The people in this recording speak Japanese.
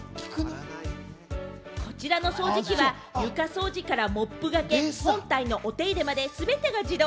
こちらの掃除機は床掃除からモップがけ、本体のお手入れまで、すべてが自動。